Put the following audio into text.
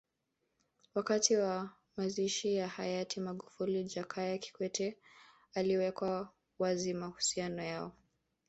Wakati wa mazishi ya hayati Magufuli Jakaya Kikwete aliweka wazi mahusiano yao